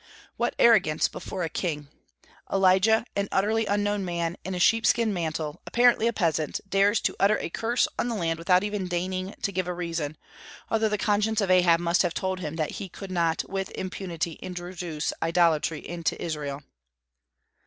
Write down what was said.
What arrogance before a king! Elijah, an utterly unknown man, in a sheepskin mantle, apparently a peasant, dares to utter a curse on the land without even deigning to give a reason, although the conscience of Ahab must have told him that he could not with impunity introduce idolatry into Israel.